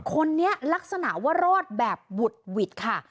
คนนี้ลักษณะว่ารอดแบบบุดหวิดค่ะ